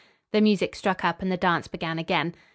The music struck up and the dance began again.